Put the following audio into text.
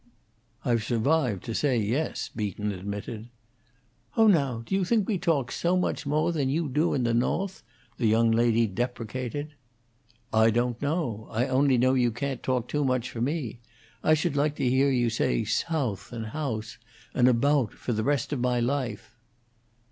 "I've survived to say yes," Beaton admitted. "Oh, now, do you think we toak so much mo' than you do in the No'th?" the young lady deprecated. "I don't know. I only know you can't talk too much for me. I should like to hear you say Soath and house and about for the rest of my life."